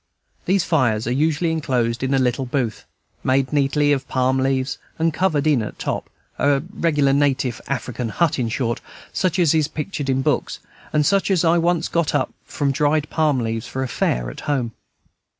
These fires are usually enclosed in a little booth, made neatly of palm leaves and covered in at top, a regular native African hut, in short, such as is pictured in books, and such as I once got up from dried palm leaves for a fair at home.